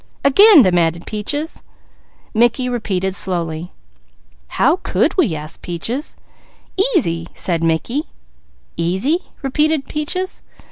_" "Again!" demanded Peaches. Mickey repeated slowly. "How could we?" asked Peaches. "Easy!" said Mickey. "'Easy?'" repeated Peaches.